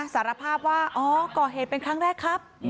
สารภาพว่าอ๋อก่อเหตุเป็นครั้งแรกครับ